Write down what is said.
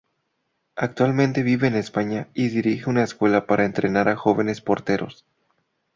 Actualmente vive en España y dirige una escuela para entrenar a jóvenes porteros.